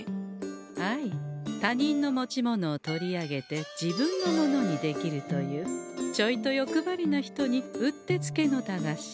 あい他人の持ち物を取り上げて自分のものにできるというちょいと欲張りな人にうってつけの駄菓子。